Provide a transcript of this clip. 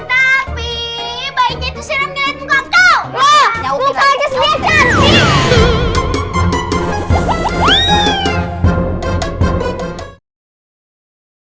tapi bayinya itu seram ngeliat muka kau